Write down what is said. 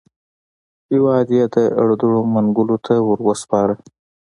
هېواد یې د اړدوړ منګولو ته وروسپاره.